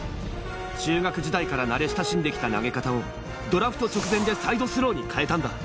中学時代から慣れ親しんで来た投げ方をドラフト直前でサイドスローに変えたんだ